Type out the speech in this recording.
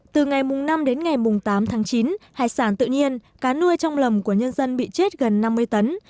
từ ngày năm đến ngày tám tháng chín hải sản tự nhiên cá nuôi trong lòng của nhân dân bị chết gần năm mươi tấn